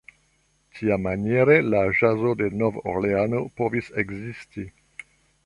Tiamaniere la ĵazo de Nov-Orleano povis ekesti.